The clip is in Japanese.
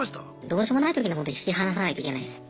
どうしようもない時にはホント引き離さないといけないです。